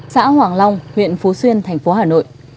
xã hoàng long huyện phú xuyên thành phố hà nội